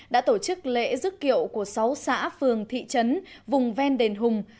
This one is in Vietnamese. đã tổ chức lễ dứt kiệu của sáu xã phường thị trấn vùng ven đền hùng